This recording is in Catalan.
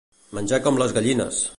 Menjar com les gallines.